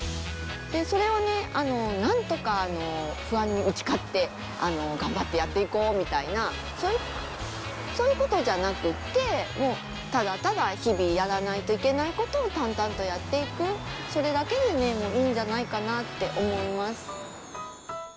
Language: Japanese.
それをね、なんとか不安に打ち勝って、頑張ってやっていこうみたいな、そういうことじゃなくって、もうただただ、日々、やらないといけないことを淡々とやっていく、それだけでもいいんじゃないかなって思います。